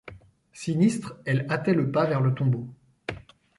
Sinistre, elle hâtait le pas vers le tombeau.